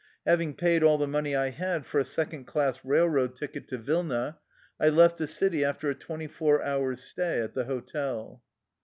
Hav ing paid all the money I had for a second class railroad ticket to Vilna, I left the city after a twenty four hours' stay at the hotel.